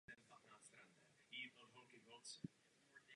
Byla zřízena na Balkáně a její hlavní stan byl v Soluni.